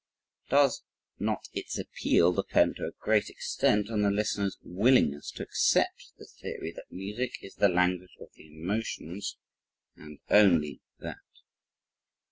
Does not its appeal depend to a great extent on the listener's willingness to accept the theory that music is the language of the emotions and ONLY that?